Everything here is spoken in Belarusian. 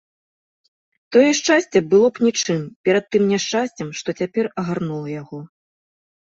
Тое шчасце было б нічым перад тым няшчасцем, што цяпер агарнула яго.